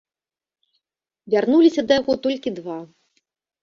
Вярнуліся да яго толькі два.